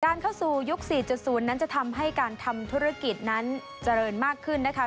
เข้าสู่ยุค๔๐นั้นจะทำให้การทำธุรกิจนั้นเจริญมากขึ้นนะคะ